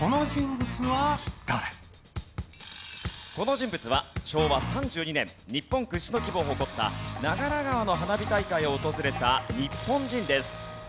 この人物は昭和３２年日本屈指の規模を誇った長良川の花火大会を訪れた日本人です。